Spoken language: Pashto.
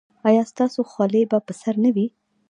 ایا ستاسو خولۍ به پر سر نه وي؟